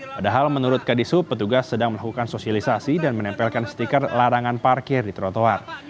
padahal menurut kadisub petugas sedang melakukan sosialisasi dan menempelkan stiker larangan parkir di trotoar